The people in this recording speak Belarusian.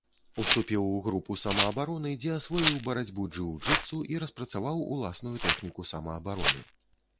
Уступіў у групу самаабароны, дзе асвоіў барацьбу джыу-джытсу і распрацаваў уласную тэхніку самаабароны.